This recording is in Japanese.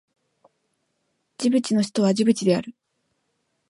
ジブチの首都はジブチである